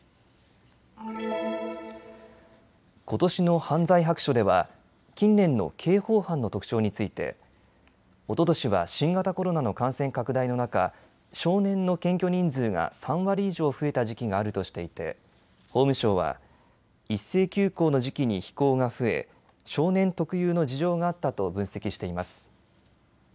ことしの犯罪白書では近年の刑法犯の特徴についておととしは新型コロナの感染拡大の中、少年の検挙人数が３割以上増えた時期があるとしていて法務省は一斉休校の時期に非行が増え、少年特有の事情があったと分析しています。